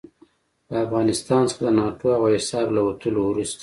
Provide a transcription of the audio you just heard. له افغانستان څخه د ناټو او ایساف له وتلو وروسته.